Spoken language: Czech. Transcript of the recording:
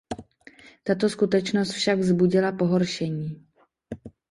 Tato skutečnost však vzbudila pohoršení.